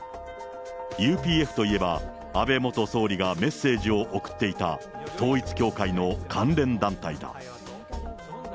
ＵＰＦといえば、安倍元総理がメッセージを送っていた統一教会の関連団体だ。